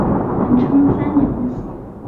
人称三娘子。